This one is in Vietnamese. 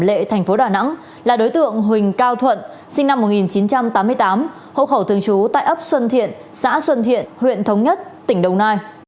công an tp đà nẵng là đối tượng huỳnh cao thuận sinh năm một nghìn chín trăm tám mươi tám hộ khẩu thường chú tại ấp xuân thiện xã xuân thiện huyện thống nhất tỉnh đồng nai